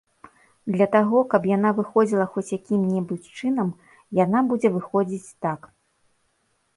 Для таго, каб яна выходзіла хоць якім-небудзь чынам, яна будзе выходзіць так.